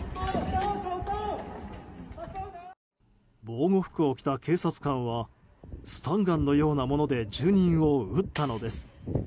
防護服を着た警察官はスタンガンのようなもので住人を撃ったのです。